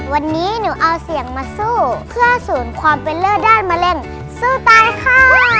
วันนี้หนูเอาเสียงมาสู้เพื่อศูนย์ความเป็นเลิศได้มาเล่นสู้ตายค่ะ